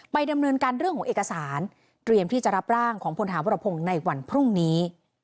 ดำเนินการเรื่องของเอกสารเตรียมที่จะรับร่างของพลหาวรพงศ์ในวันพรุ่งนี้